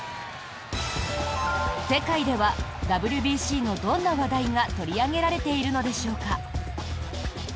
世界ではＷＢＣのどんな話題が取り上げられているのでしょうか。